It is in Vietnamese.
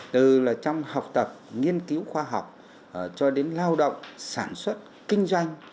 từ là trong học tập nghiên cứu khoa học cho đến lao động sản xuất kinh doanh